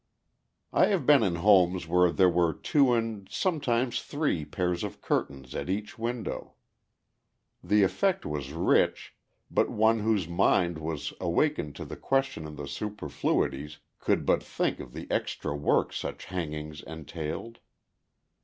"I have been in homes where there were two and sometimes three pairs of curtains at each window. The effect was rich, but one whose mind was awakened to the question of the superfluities could but think of the extra work such hangings entailed.